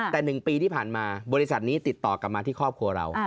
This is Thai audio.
แต่๑ปีที่ผ่านมาบริษัทนี้ติดต่อกลับมาที่ครอบครัวเรา